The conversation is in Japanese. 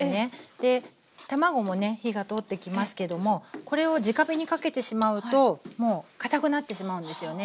で卵もね火が通ってきますけどもこれをじか火にかけてしまうともうかたくなってしまうんですよね。